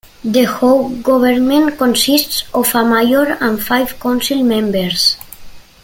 The Hope government consists of a mayor and five council members.